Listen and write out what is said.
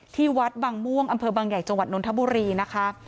ที่วัดบางม่วงอำเภอบางใหญ่จังหวัดนทบุรีนะคะ